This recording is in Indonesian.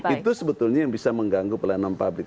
itu sebetulnya yang bisa mengganggu pelayanan publik